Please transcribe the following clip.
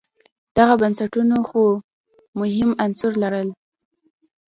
دغو بنسټونو څو مهم عناصر لرل.